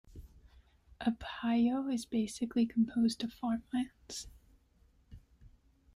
Apayao is basically composed of farmlands.